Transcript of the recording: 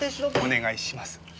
お願いします。